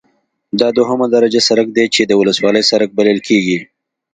دا دوهمه درجه سرک دی چې د ولسوالۍ سرک بلل کیږي